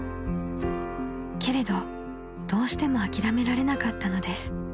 ［けれどどうしても諦められなかったのです］